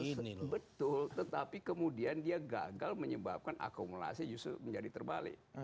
ini betul tetapi kemudian dia gagal menyebabkan akumulasi justru menjadi terbalik